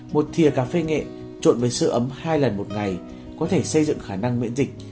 một thiều cà phê nghệ trộn với sữa ấm hai lần một ngày có thể xây dựng khả năng miễn dịch